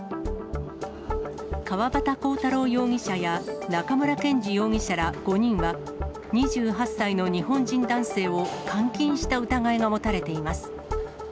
川端浩太郎容疑者や、中村健二容疑者ら５人は、２８歳の日本人男性を監禁した疑いが持たれています。